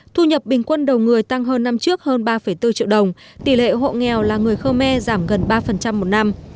thu nhập bình quân đầu người tăng hơn năm trước hơn ba bốn triệu đồng tỷ lệ hộ nghèo là người khơ me giảm gần ba một năm